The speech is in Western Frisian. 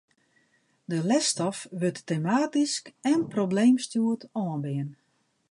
De lesstof wurdt tematysk en probleemstjoerd oanbean.